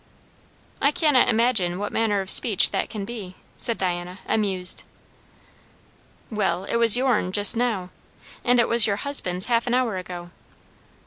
"I cannot imagine what manner of speech that can be," said Diana, amused. "Well it was your'n just now. And it was your husband's half an hour ago."